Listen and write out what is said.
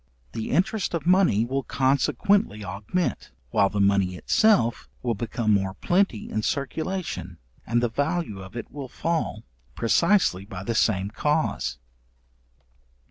The interest of money will consequently augment, while the money itself will become more plenty in circulation, and the value of it will fall, precisely by the same cause.